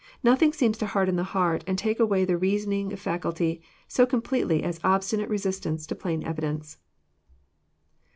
Nothing seems to harden the heart, and take away the reasoning faculty, so com pletely as obstinate resistance to plain evidence.